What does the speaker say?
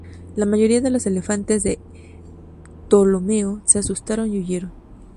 La mayoría de los elefantes de Ptolomeo se asustaron y huyeron.